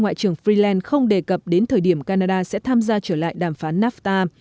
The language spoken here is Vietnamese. ngoại trưởng freeland không đề cập đến thời điểm canada sẽ tham gia trở lại đàm phán nafta